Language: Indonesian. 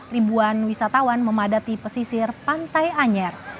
ribuan wisatawan memadati pesisir pantai anyer